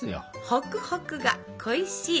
「ホクホクが恋しい！」。